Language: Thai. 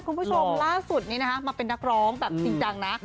คุณผู้ชมล่าสุดมาเป็นนักร้องท่ีดัง